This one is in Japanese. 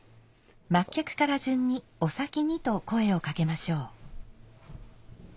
末客から順に「お先に」と声をかけましょう。